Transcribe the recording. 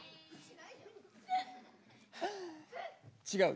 違う。